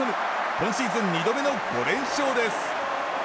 今シーズン２度目の５連勝です。